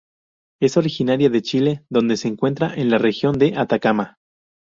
Es originaria de Chile donde se encuentra en la región de Atacama.